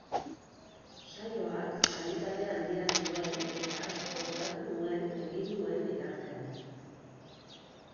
Saioak kalitate handia zuen eta asko gozatu nuen egin nuen bitartean.